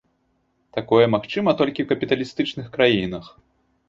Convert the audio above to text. Такое магчыма толькі ў капіталістычных краінах.